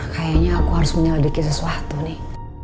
kayaknya aku harus menyelidiki sesuatu nih